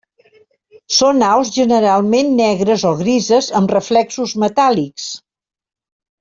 Són aus generalment negres o grises amb reflexos metàl·lics.